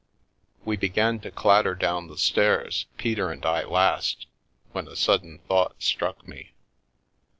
We began to clatter down the stairs, Peter and I last, when a sudden thought struck me.